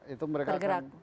itu mereka akan